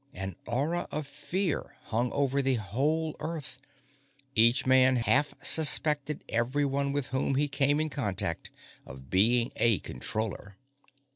An aura of fear hung over the whole Earth; each man half suspected everyone with whom he came in contact of being a Controller.